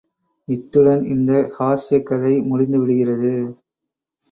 இத்துடன் இந்த ஹாஸ்யக்கதை முடிந்து விடுகிறது.